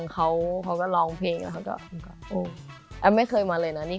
ก็สบาย